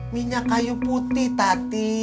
minyak kayu putih tati